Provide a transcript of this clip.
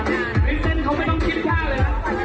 ตัวลงโต๊ะคืออะไร